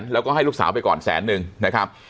แล้วก็ให้ลูกสาวไปก่อนแสนนึงนะครับ